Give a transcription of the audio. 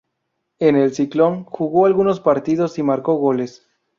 En el "Ciclón" jugó algunos partidos y marcó goles.